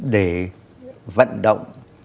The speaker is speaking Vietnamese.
để vận động